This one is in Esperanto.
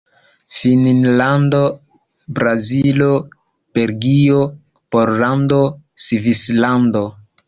Finnlando, Brazilo, Belgio, Pollando, Svislando.